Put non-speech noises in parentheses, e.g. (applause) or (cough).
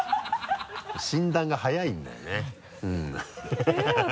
診断が早いんだよねハハハ (laughs)